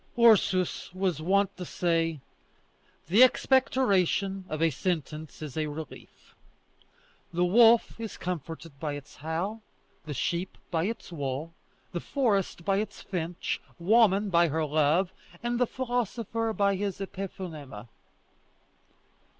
Ursus was wont to say: "The expectoration of a sentence is a relief. The wolf is comforted by its howl, the sheep by its wool, the forest by its finch, woman by her love, and the philosopher by his epiphonema."